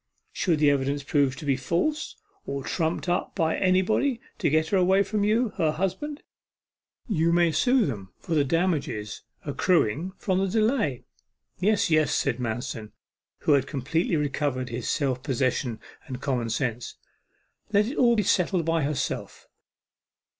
Should the evidence prove to be false, or trumped up by anybody to get her away from you, her husband, you may sue them for the damages accruing from the delay.' 'Yes, yes,' said Manston, who had completely recovered his self possession and common sense; 'let it all be settled by herself.